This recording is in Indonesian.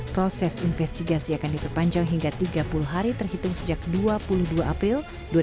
proses investigasi akan diperpanjang hingga tiga puluh hari terhitung sejak dua puluh dua april dua ribu dua puluh